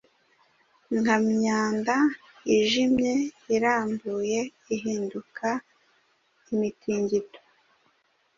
Nka myanda yijimye irambuye ihinduka'Imitingito